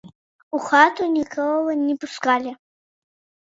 У хату нікога не пускалі.